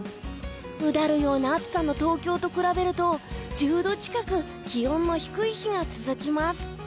うだるような暑さの東京と比べると１０度近く気温が低い日が続きます。